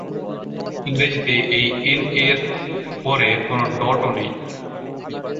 ইংরেজিতে এই এন-এর পরে কোন ডট-ও নেই।